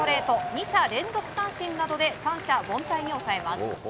２者連続三振などで三者凡退に抑えます。